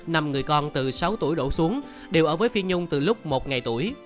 năm người con từ sáu tuổi đổ xuống đều ở với phi nhung từ lúc một ngày tuổi